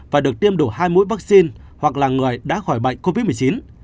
và được tiêm đủ hai mũi vaccine hoặc là người đã khỏi bệnh covid một mươi chín